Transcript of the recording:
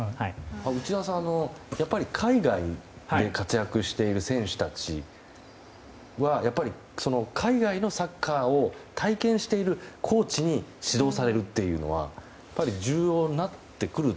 内田さん、海外で活躍する選手たちはやっぱり海外のサッカーを体験しているコーチに指導されるというのは重要になってくると。